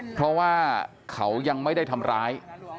เพราะว่าเขายังไม่ได้ทำร้าย